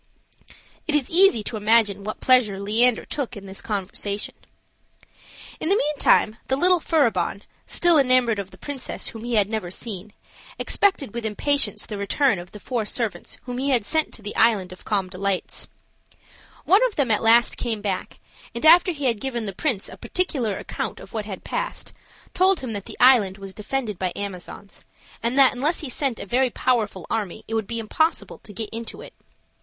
It is easy to imagine what pleasure Leander took in this conversation. In the meantime the little Furibon, still enamored of the princess whom he had never seen, expected with impatience the return of the four servants whom he had sent to the Island of Calm Delights. One of them at last came back, and after he had given the prince a particular account of what had passed, told him that the island was defended by Amazons, and that unless he sent a very powerful army, it would be impossible to get into it.